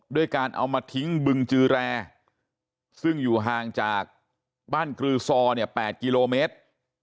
ด้วยการเอามาทิ้งบึงจือแรซึ่งอยู่ห่างจากบ้านกรือซอเนี่ย๘กิโลเมตร